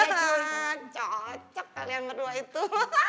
ya cocok kalian berdua itu